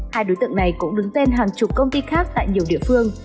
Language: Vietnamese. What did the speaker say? hai đối tượng này cũng đứng tên hàng chục công ty khác tại nhiều địa phương